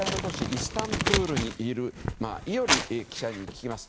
イスタンブールにいる伊従記者に聞きます。